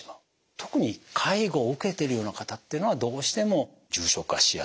特に介護を受けてるような方ってのはどうしても重症化しやすい。